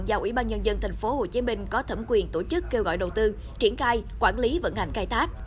giao ủy ban nhân dân tp hcm có thẩm quyền tổ chức kêu gọi đầu tư triển khai quản lý vận hành khai thác